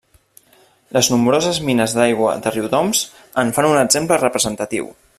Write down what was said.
Les nombroses mines d'aigua de Riudoms en fan un exemple representatiu.